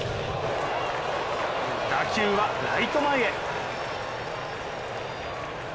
打球はライト前へ。